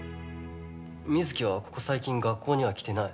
水城はここ最近学校には来てない。